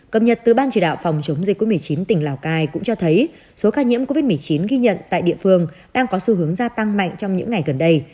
cập nhật từ ban chỉ đạo phòng chống dịch covid một mươi chín tỉnh lào cai cũng cho thấy số ca nhiễm covid một mươi chín ghi nhận tại địa phương đang có xu hướng gia tăng mạnh trong những ngày gần đây